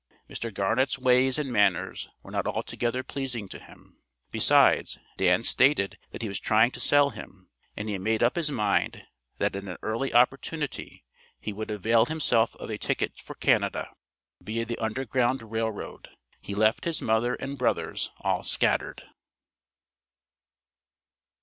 Mr. Garnett's ways and manners were not altogether pleasing to him; besides, Dan stated that he was trying to sell him, and he made up his mind that at an early opportunity, he would avail himself of a ticket for Canada, via the Underground Rail Road. He left his mother and brothers all scattered.